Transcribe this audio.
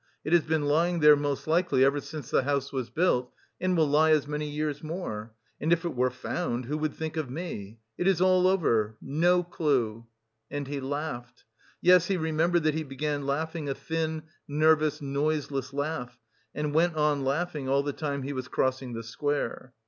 It has been lying there most likely ever since the house was built, and will lie as many years more. And if it were found, who would think of me? It is all over! No clue!" And he laughed. Yes, he remembered that he began laughing a thin, nervous noiseless laugh, and went on laughing all the time he was crossing the square.